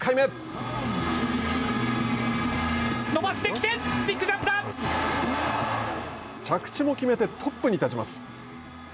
伸ばしてきて着地も決めてトップに立ちます。